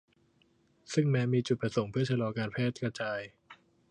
ซึ่งแม้มีจุดประสงค์เพื่อชะลอการแพร่กระจาย